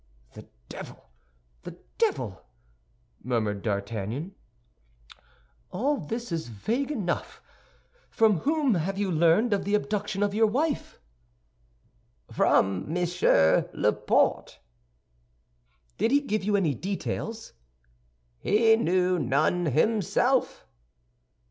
"The devil! The devil!" murmured D'Artagnan; "all this is vague enough. From whom have you learned of the abduction of your wife?" "From Monsieur Laporte." "Did he give you any details?" "He knew none himself."